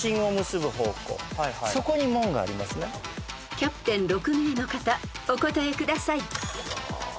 ［キャプテン６名の方お答えください］